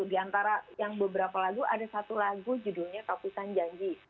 di antara yang beberapa lagu ada satu lagu judulnya kapisan janji